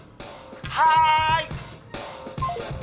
はい！